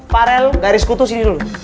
parel garis kutu sini dulu